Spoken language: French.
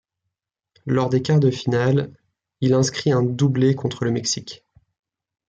Lors des quarts de finale, il inscrit un doublé contre le Mexique.